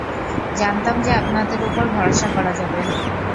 জানতাম যে আপনাদের উপর ভরসা করা যাবে!